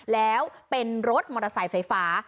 แล้วเป็นรถมอเตอร์ไซค์ไฟฟ้า